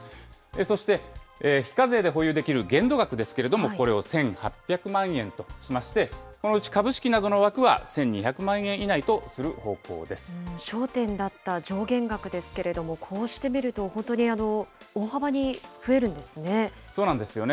そして非課税で保有できる限度額ですけれども、これを１８００万円としまして、このうち株式などの枠は１２００万円以内とする方焦点だった上限額ですけれども、こうして見ると本当に大幅に増えるんですね。